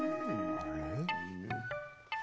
あれ？